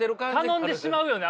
頼んでしまうよね